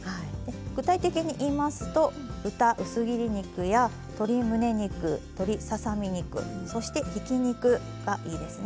具体的に言いますと豚薄切り肉や鶏むね肉鶏ささ身肉そしてひき肉がいいですね。